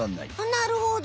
なるほど！